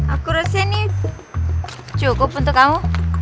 aku rasa ini cukup untuk kamu